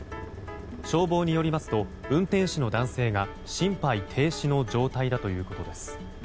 消防によりますと運転手の男性が心肺停止の状態だということです。